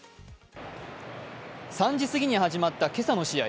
３時すぎに始まった今朝の試合。